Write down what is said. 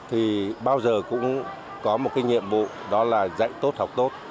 thì bao giờ cũng có một cái nhiệm vụ đó là dạy tốt học tốt